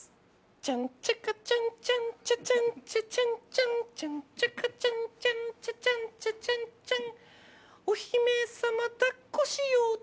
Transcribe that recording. チャンチャカチャンチャンチャチャンチャチャンチャンチャンチャカチャンチャンチャチャンチャチャンチャン